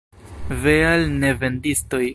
Ve al nevendistoj!